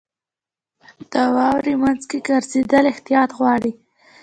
• د واورې مینځ کې ګرځېدل احتیاط غواړي.